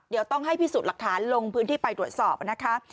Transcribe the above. เดี๋ยวต้องให้พิสูจน์หลักฐานลงพื้นที่ไปตรวจสอบนะคะ